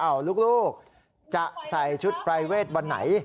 ลูกจะใส่ชุดปรายเวทวันไหน